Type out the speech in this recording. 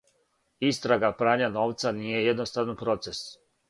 Истрага прања новца није једноставан процес.